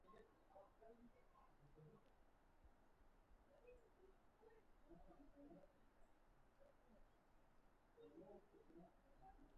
دا ځل اردن او فلسطین کې د مهمو ځایونو زیارت و.